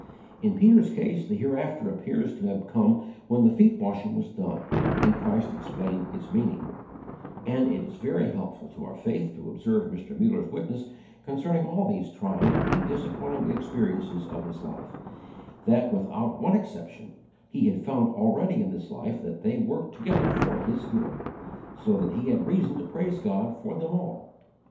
In Peter's case the hereafter appears to have come when the feet washing was done and Christ explained its meaning; and it is very helpful to our faith to observe Mr. Muller's witness concerning all these trying and disappointing experiences of his life, that, without one exception, he had found already in this life that they worked together for his good; so that he had reason to praise God for them all.